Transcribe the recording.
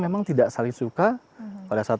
memang tidak saling suka pada saat